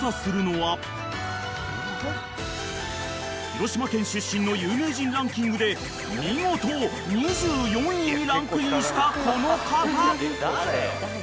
［広島県出身の有名人ランキングで見事２４位にランクインしたこの方］